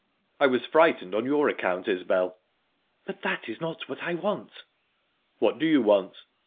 "I was frightened on your account, Isbel." "But that is not what I want." "What do you want?"